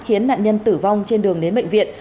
khiến nạn nhân tử vong trên đường đến bệnh viện